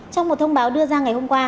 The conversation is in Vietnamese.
trong một thông báo đưa ra ngày hôm qua